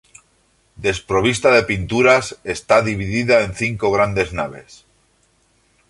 Desprovista de pinturas, está dividida en cinco grandes naves.